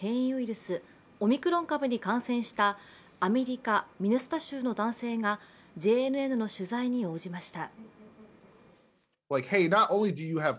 スオミクロン株に感染したアメリカ・ミネソタ州の男性がＪＮＮの取材に応じました。